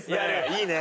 いいね。